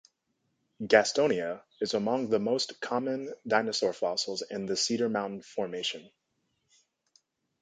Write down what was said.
"Gastonia" is among the most common dinosaur fossils in the Cedar Mountain Formation.